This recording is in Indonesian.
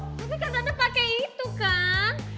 tapi kan tante pake itu kan